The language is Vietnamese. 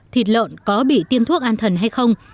thịt lợn có bị tiêm thuốc an thần hay không